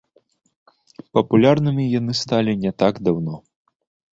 Папулярнымі яны сталі не так даўно.